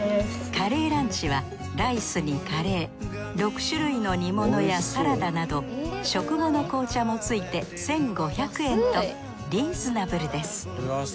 カレーランチはライスにカレー６種類の煮物やサラダなど食後の紅茶もついて１，５００円とリーズナブルです。